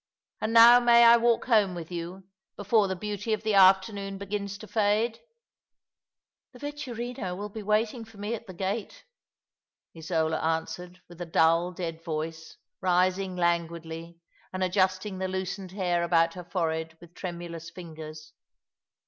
And now may I walk home with you, before the beauty of the after noon begins to fade ?"" The vetturino will be waiting for me at the gate," Isola answered, with a dull, dead voice, rising languidly, and adjusting the loosened hair about her forehead with tremu lous fingers.